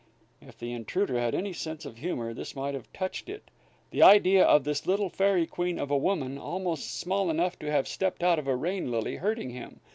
If the intruder had any sense of humor, this might have touched it; the idea of this little fairy queen of a woman, almost small enough to have stepped out of a rain lily, hurting him!